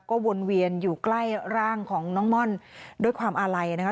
ก็วนเวียนอยู่ใกล้ร่างของน้องม่อนด้วยความอาลัยนะคะ